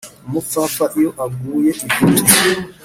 umupfapfa iyo aguye ivutu,